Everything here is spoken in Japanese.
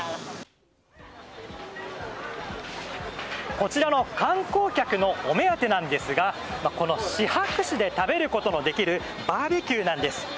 こちらの観光客のお目当てなんですがシハク市で食べることのできるバーベキューなんです。